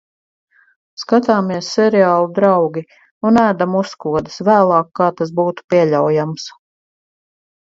Skatāmies seriālu "Draugi" un ēdam uzkodas vēlāk kā tas būtu pieļaujams.